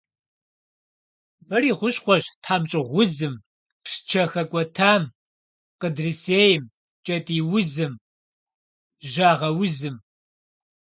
Мыр и хущхъуэщ тхьэмщӏыгъуузым, псчэ хэкӏуэтам, къыдрисейм, кӏэтӏийузым, жьагъэузым.